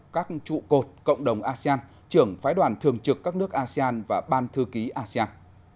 các trụ cột cộng đồng asean trưởng phái đoàn thường trực các nước asean và ban thư ký asean